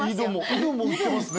井戸も売ってますね。